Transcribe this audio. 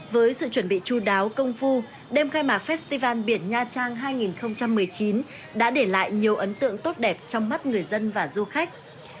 với sự chuẩn bị chú đáo công phu đêm khai mạc festival biển nha trang hai nghìn một mươi chín đã để lại nhiều ấn tượng tốt đẹp trong mắt người dân và du khách